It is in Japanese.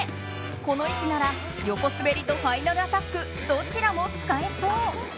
この位置なら横滑りとファイナルアタックどちらも使えそう。